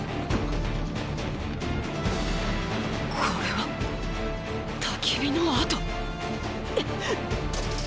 これは焚き火の跡